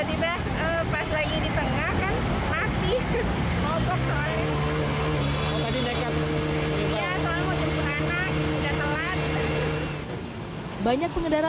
sudah pas lagi di tengah kan mati ngobrol soalnya soalnya mau jemput anak banyak pengendara